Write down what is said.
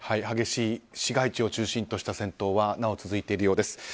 激しい市街地を中心とした戦闘はなお続いているようです。